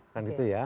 kan gitu ya